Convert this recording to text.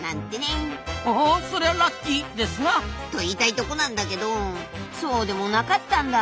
ほおそりゃラッキーですな。と言いたいとこなんだけどそうでもなかったんだ。